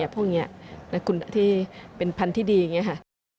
พวกนี้และคุณที่เป็นพันธุ์ที่ดีอย่างนี้ค่ะ